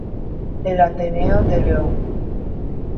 El Ateneo de León.